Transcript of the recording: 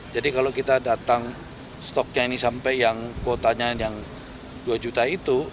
jadi kalau kita datang stoknya ini sampai yang kuotanya yang dua juta itu